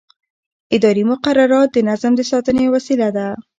اداري مقررات د نظم د ساتنې وسیله ده.